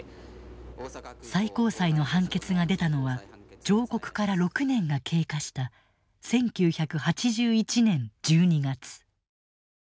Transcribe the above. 最高裁の判決が出たのは上告から６年が経過した１９８１年１２月。